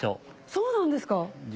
そうなんですか？